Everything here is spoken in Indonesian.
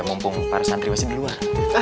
mumpung para santriwasi di luar